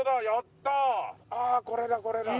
ああこれだこれだ。